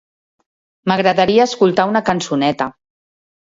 M'agradaria escoltar una cançoneta.